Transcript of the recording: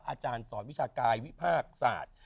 อาจารย์สอนวิชากายวิภาคศาสตร์